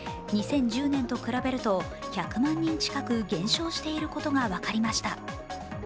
２０１０年と比べると１００万人近く減少していることが分かりました。